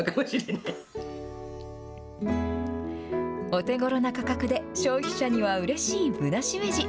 お手ごろな価格で、消費者にはうれしいぶなしめじ。